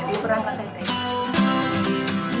jadi peran kan santan